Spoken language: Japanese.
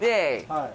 はい